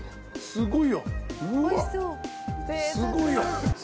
すごいよ。